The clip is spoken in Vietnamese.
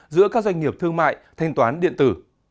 giữa các doanh nghiệp thương mại thanh toán điện tử